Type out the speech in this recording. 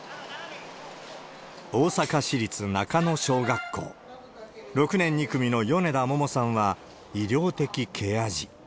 大阪市立中野小学校、６年２組の米田ももさんは、医療的ケア児。